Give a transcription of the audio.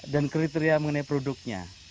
dan kriteria mengenai produknya